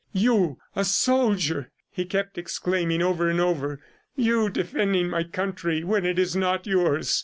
"You a soldier!" he kept exclaiming over and over. "You defending my country, when it is not yours!"